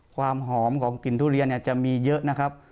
ความหอมของกลิ่นทุเรียนจะมีเยอะนะครับ